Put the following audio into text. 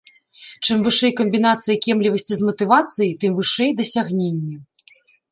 Чым вышэй камбінацыя кемлівасці з матывацыяй, тым вышэй дасягненні.